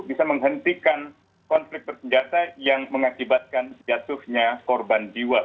bisa menghentikan konflik bersenjata yang mengakibatkan jatuhnya korban jiwa